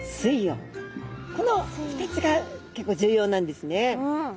この２つが結構重要なんですね。